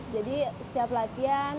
jadi setiap latihan